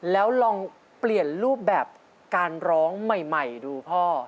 แล้วลองเปลี่ยนรูปแบบการร้องใหม่ดูพ่อ